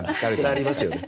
ありますよね。